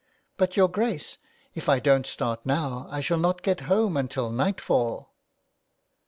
" But, your Grace, if I don't start now, I shall not get home until nightfall."